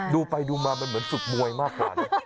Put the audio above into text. ดูไปดูมามันเหมือนฝึกมวยมากกว่า